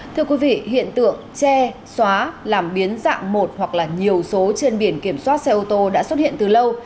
thưa quý vị hiện tượng che xóa làm biến dạng một hoặc là nhiều số trên biển kiểm soát xe ô tô đã xuất hiện từ lâu